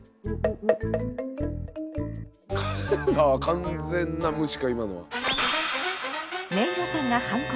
完全な無視か今のは。